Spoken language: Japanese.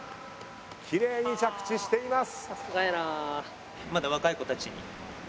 奇麗に着地しています。